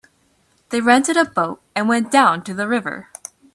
They rented a boat and went down the river.